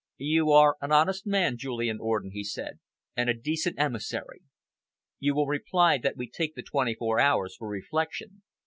"You are an honest man, Julian Orden," he said, "and a decent emissary. You will reply that we take the twenty four hours for reflection.